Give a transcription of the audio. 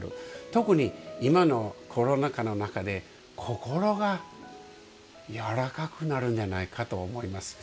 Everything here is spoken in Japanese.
特に今のコロナ禍の中で心がやわらかくなるんじゃないかと思います。